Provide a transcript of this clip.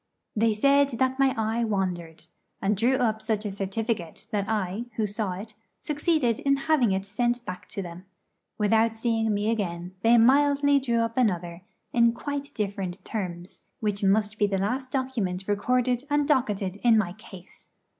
They said that my eye wandered, and drew up such a certificate that I, who saw it, succeeded in having it sent back to them. Without seeing me again, they mildly drew up another in quite different terms, which must be the last document recorded and docketed in my case.